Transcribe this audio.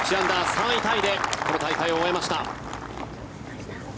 ３位タイでこの大会を終えました。